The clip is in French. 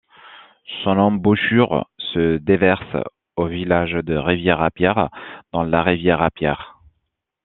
Son embouchure se déverse au village de Rivière-à-Pierre dans la rivière à Pierre.